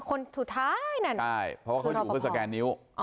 คนสุดท้ายนั่นใช่เพราะว่าเขาอยู่เพื่อสแกนนิ้ว